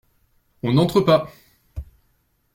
On n’entre pas !…